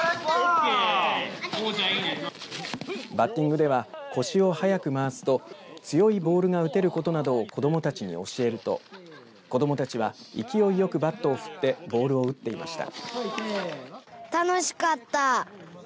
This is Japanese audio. バッティングでは腰を早く回すと強いボールが打てることなどを子どもたちに教えると子どもたちは勢いよくバットを振ってボールを打っていました。